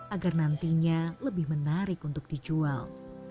agar nantinya lebih menarik untuk dijual